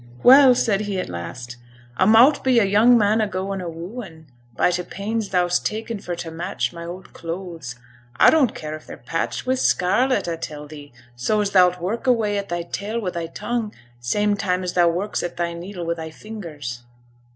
'Well,' said he at last; 'a mought be a young man a goin' a wooin', by t' pains thou'st taken for t' match my oud clothes. I don't care if they're patched wi' scarlet, a tell thee; so as thou'lt work away at thy tale wi' thy tongue, same time as thou works at thy needle wi' thy fingers.'